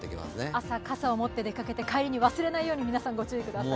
朝、傘を持って出かけて、帰りに忘れないように気をつけてください。